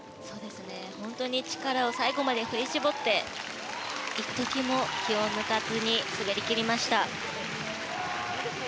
本当に力を最後まで振り絞って一時も気を抜かずに滑り切りました。